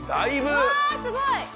うわーすごい！